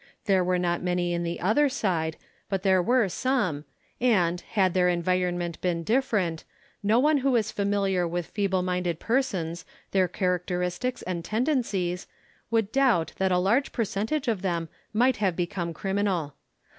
There were not many in the other "side, but there were some, and, had their environment been different, no one who is familiar with feeble minded persons, their characteristics and tendencies, would doubt that a large percentage of them might have be come criminal.